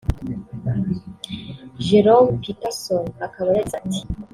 Jerome Peterson akaba yagize ati